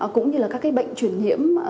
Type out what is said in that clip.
cũng như là các bệnh chuyển nhiễm